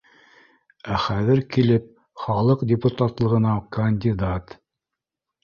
Ә хәҙер килеп, халыҡ депутатлығына кандидат